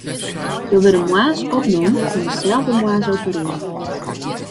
Jo wurde de moarns opnommen en deselde moarns operearre.